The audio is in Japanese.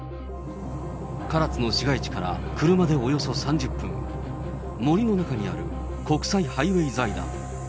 唐津の市街地から車でおよそ３０分、森の中にある国際ハイウェイ財団。